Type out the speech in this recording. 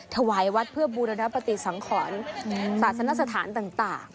ถวายวัดเพื่อบูรณปฏิสังขรศาสนสถานต่าง